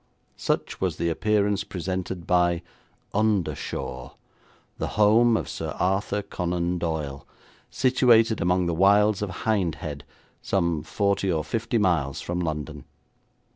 Such was the appearance presented by 'Undershaw', the home of Sir Arthur Conan Doyle, situated among the wilds of Hindhead, some forty or fifty miles from London.